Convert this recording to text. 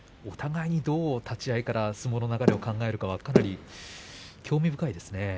お互いに、どう立ち合いから相撲の流れを考えるかは興味深いですね。